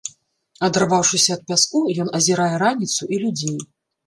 Адарваўшыся ад пяску, ён азірае раніцу і людзей.